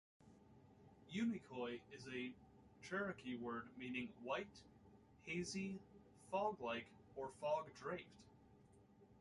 "Unicoi" is a Cherokee word meaning "white," "hazy," "fog-like," or "fog draped.